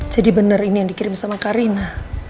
jadi bener ini yang dikirim sama karina